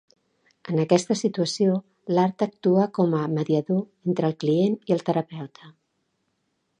En aquesta situació l'art actua com a mediador entre el client i el terapeuta.